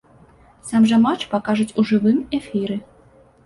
Сам жа матч пакажуць у жывым эфіры.